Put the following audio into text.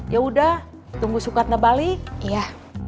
ya udah tunggu sukata balik iya